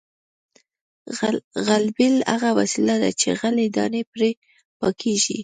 غلبېل هغه وسیله ده چې غلې دانې پرې پاکیږي